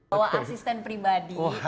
doa asisten pribadi